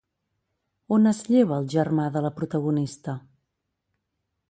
On es lleva el germà de la protagonista?